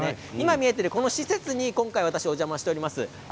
今、見えている施設にお邪魔しています。